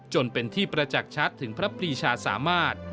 จนเป็นที่ประจักษ์ชัดถึงพระปรีชาสามารถ